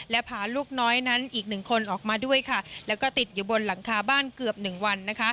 และพาลูกน้อยนั้นอีกหนึ่งคนออกมาด้วยค่ะแล้วก็ติดอยู่บนหลังคาบ้านเกือบ๑วัน